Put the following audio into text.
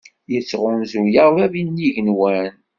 Yettɣunzu-aɣ Bab n yigenwan.